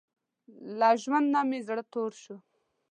له ژوند نۀ مې زړه تور شو